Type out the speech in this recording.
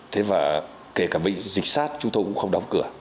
thế và kể cả bệnh dịch sát chúng tôi cũng không đóng cửa